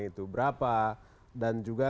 itu berapa dan juga